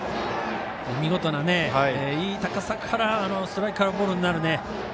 見事ないい高さのストライクからボールになるね。